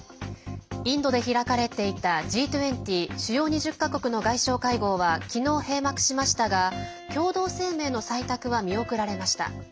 インドで開かれていたＧ２０＝主要２０か国の外相会合は昨日、閉幕しましたが共同声明の採択は見送られました。